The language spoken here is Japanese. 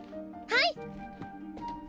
はい！